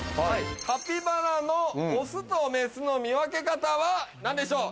カピバラのオスとメスの見分け方は何でしょう？